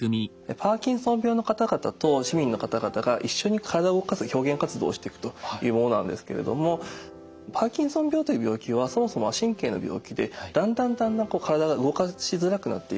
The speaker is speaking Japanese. パーキンソン病の方々と市民の方々が一緒に体を動かす表現活動をしていくというものなんですけれどもパーキンソン病という病気はそもそも神経の病気でだんだんだんだん体が動かしづらくなっていくという病気なんですね。